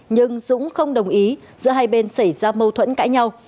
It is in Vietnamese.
nhưng dũng không đồng ý giữa hai bên xảy ra mâu thuẫn cãi nhau